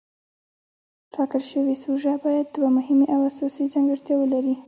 ټاکل شوې سوژه باید دوه مهمې او اساسي ځانګړتیاوې ولري.